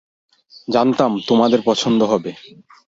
জানতাম তোমাদের পছন্দ হবে।